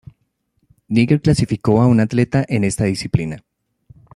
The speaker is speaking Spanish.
Níger clasificó a un atleta en esta disciplina.